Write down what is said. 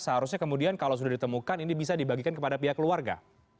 seharusnya kemudian kalau sudah ditemukan ini bisa dibagikan kepada pihak keluarga